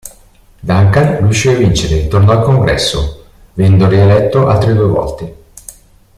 Duncan riuscì a vincere e tornò al Congresso, venendo rieletto altre due volte.